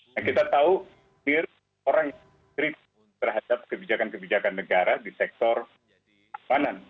nah kita tahu orang yang kritis terhadap kebijakan kebijakan negara di sektor keamanan